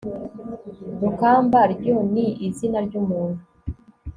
rukamba ryo ni izina ry'umuntu